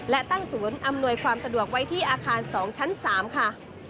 และตั้งศูนย์อำนวยความสะดวกไว้ที่อาคาร๒ชั้น๓ค่ะ